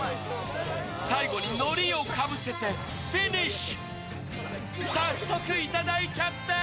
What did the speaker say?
最後にのりをかぶせてフィニッシュ！